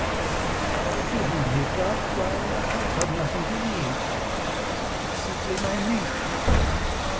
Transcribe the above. "I didn't hiccup; why, I've had nothing to eat. It's simply my nature.